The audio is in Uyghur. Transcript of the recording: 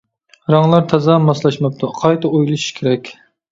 رەڭلەر تازا ماسلاشماپتۇ، قايتا ئويلىشىش كېرەك.